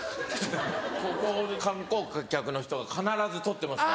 ここ観光客の人が必ず撮ってますからね。